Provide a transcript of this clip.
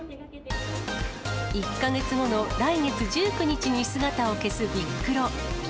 １か月後の来月１９日に姿を消すビックロ。